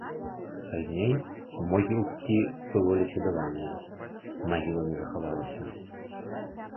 Пазней могілкі было ліквідаваныя, магіла не захавалася.